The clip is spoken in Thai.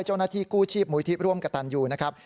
เจ้าหน้าที่กู้ชีพมูลที่ร่วมกระตันยูนะครับ